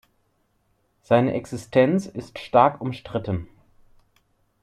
Seine Existenz ist stark umstritten.